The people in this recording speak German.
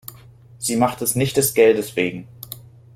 Sie macht es nicht des Geldes wegen.